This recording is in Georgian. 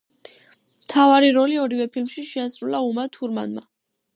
მთავარი როლი ორივე ფილმში შეასრულა უმა თურმანმა.